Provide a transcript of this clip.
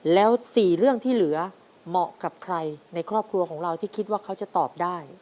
แล้ว๔เรื่องที่เหลือเหมาะกับใครในครอบครัวของเราที่คิดว่าเขาจะตอบได้